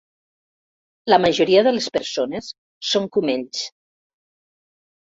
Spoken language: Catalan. La majoria de les persones són com ells.